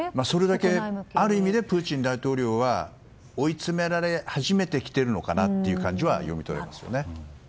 それだけ、ある意味プーチン大統領は追い詰められ始めてきてるのかなという感じは読み取れますよね。